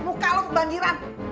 muka lo kebandiran